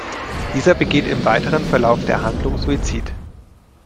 Dieser begeht im weiteren Verlauf der Handlung Suizid.